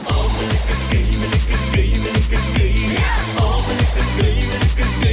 โอ๊ย